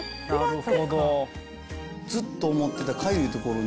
ずっと思ってた。